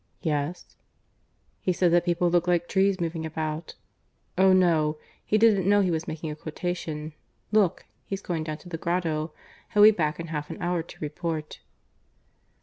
"Yes?" "He said that people looked like trees moving about. ... Oh no! he didn't know he was making a quotation. Look! he's going down to the grotto. He'll be back in half an hour to report."